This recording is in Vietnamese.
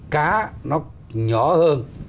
cá nó nhỏ hơn